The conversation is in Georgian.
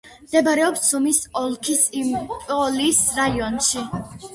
მდებარეობს სუმის ოლქის იამპოლის რაიონში.